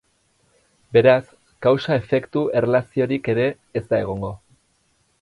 Beraz, kausa-efektu erlaziorik ere ez da egongo.